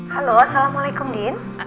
halo assalamualaikum din